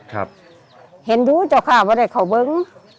เห็นดูเจ้าข้าว่าเขาเบิ้ง